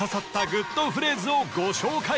グッとフレーズをご紹介